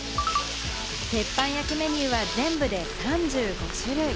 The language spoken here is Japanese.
鉄板焼きメニューは全部で３５種類。